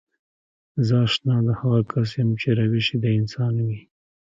زه اشنا د هغه کس يم چې روش يې د انسان وي.